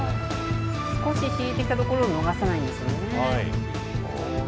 少し引いてきたところを逃さないんですよね。